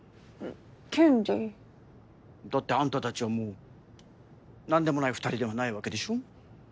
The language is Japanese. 権利？だってあんたたちはもう何でもない二人ではないわけでしょ？